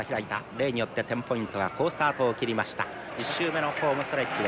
例によってテンポイントは好スタートを切りました。